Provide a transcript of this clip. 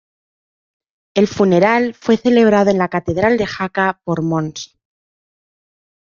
El funeral fue celebrado en la Catedral de Jaca por Mons.